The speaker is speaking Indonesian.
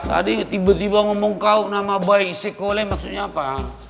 tadi tiba tiba ngomong kaum nama baik sekolah maksudnya apa